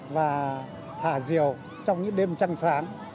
và thả diều trong những đêm trăng sáng